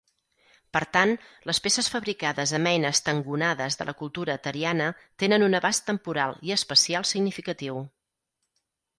Per tant, les peces fabricades amb eines tangonades de la cultura ateriana tenen un abast temporal i espacial significatiu.